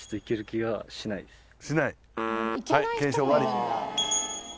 はい検証終わり。